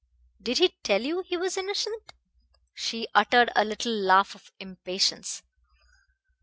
Did he tell you he was innocent?" She uttered a little laugh of impatience.